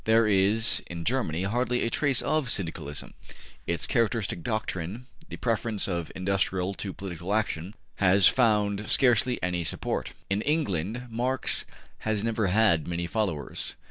There is in Germany hardly a trace of Syndicalism; its characteristic doctrine, the preference of industrial to political action, has found scarcely any support. In England Marx has never had many followers.